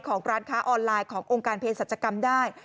ของร้านค้าออนไลน์ขององค์การเพศสัจกรรมได้